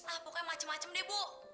ah pokoknya macem macem deh bu